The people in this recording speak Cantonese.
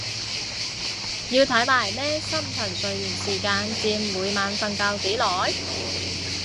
要睇埋咩深層睡眠時間佔每晚瞓覺幾耐？